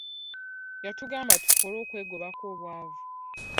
Yatugamba tukole okwegobako obwavu.